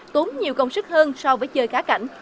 tốn nhiều công sức hơn so với chơi cá cảnh